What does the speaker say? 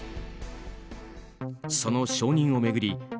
その承認を巡り